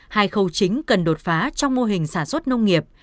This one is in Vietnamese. hai khâu chính cần đột phá trong mô hình sản xuất nông nghiệp